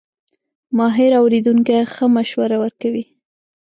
ماهر اورېدونکی ښه مشوره ورکوي.